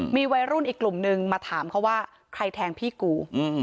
มีวัยรุ่นอีกกลุ่มนึงมาถามเขาว่าใครแทงพี่กู